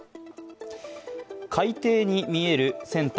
海底に見える船体。